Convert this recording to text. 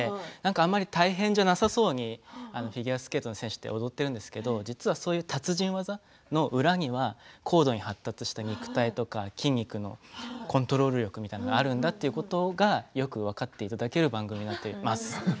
あまり大変じゃなさそうにフィギュアスケートの選手って踊っているんですけれども実はそういう達人技の裏には高度に発達した肉体とか筋肉のコントロール力みたいなものがあるんだっていうことをよく分かっていただける番組になっています。